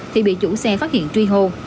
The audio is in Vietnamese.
thì bị chủ xe phát hiện truy hồ